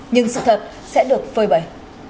nhưng sự thật sẽ được phơi bẩy